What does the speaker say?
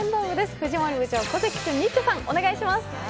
藤森部長、小関君、ニッチェ、お願いします。